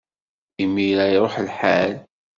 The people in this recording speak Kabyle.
Imir-a, iṛuḥ lḥal.